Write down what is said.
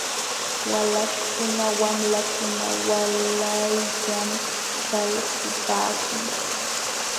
Walaśhkuna wamlakuna waalayllam śhalkupaakun .